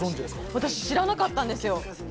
私、知らなかったんですよ。